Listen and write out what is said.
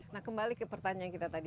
nah kembali ke pertanyaan kita tadi